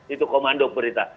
itu komando perintah